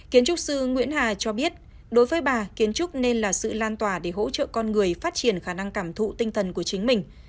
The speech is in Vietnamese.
kiến trúc sư nguyễn hà cho biết đối với bà kiến trúc nên là sự lan tỏa để hỗ trợ con người phát triển khả năng cảm thụ tinh thần của chính mình